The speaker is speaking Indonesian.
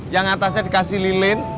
yang atasnya dikasih lilin